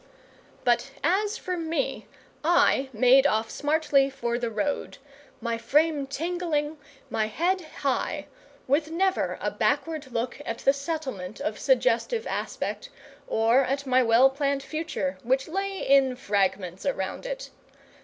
But as for me, I made off smartly for the road, my frame tingling, my head high, with never a backward look at the Settlement of suggestive aspect, or at my well planned future which lay in fragments around it.